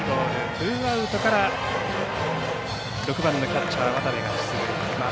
ツーアウトから６番のキャッチャー渡部が出塁。